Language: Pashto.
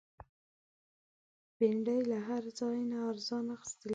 بېنډۍ له هر ځای نه ارزانه اخیستل کېږي